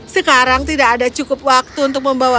sekarang tidak ada cukup waktu untuk membawa dia ke rumah